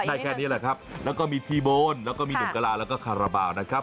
ได้แค่นี้แหละครับแล้วก็มีทีโบนแล้วก็มีหนุ่มกะลาแล้วก็คาราบาลนะครับ